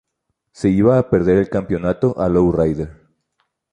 Se iba a perder el campeonato a Low Rider.